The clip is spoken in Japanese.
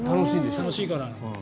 楽しいから。